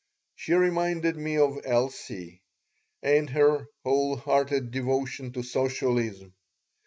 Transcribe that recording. She reminded me of Elsie and her whole hearted devotion to socialism.